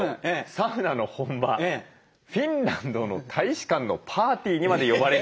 サウナの本場フィンランドの大使館のパーティーにまで呼ばれると。